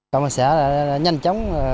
công an xã là nhanh chóng